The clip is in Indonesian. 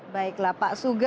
baiklah pak suga